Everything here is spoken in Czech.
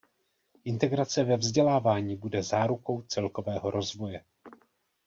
Integrace ve vzdělání bude zárukou celkového rozvoje.